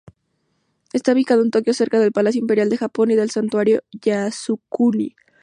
Está ubicado en Tokio, cerca del Palacio Imperial de Japón y del Santuario Yasukuni.